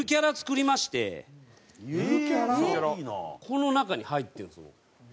この中に入ってるんですもう。